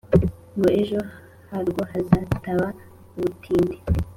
Ngo ejo harwo hatazaba ubutindi